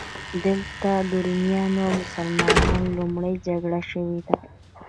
دلته د رومیانو او مسلمانانو لومړۍ جګړه شوې ده.